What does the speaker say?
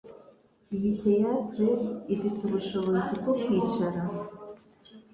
Iyi teatre ifite ubushobozi bwo kwicara